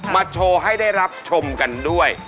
โชว์ให้ได้รับชมกันด้วย